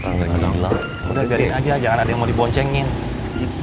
udah biarin aja jangan ada yang mau diboncengin